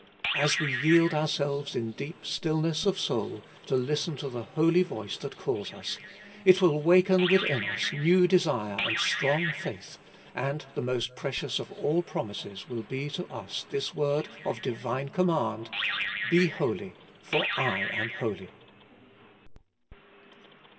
As we yield ourselves in deep stillness of soul to listen to the Holy Voice that calls us, it will waken within us new desire and strong faith, and the most precious of all promises will be to us this word of Divine command : BE HOLY, FOR I AM HOLY.